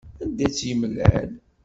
Anda tt-yemlal?